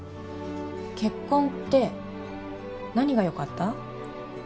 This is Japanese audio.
結婚って何がよかった？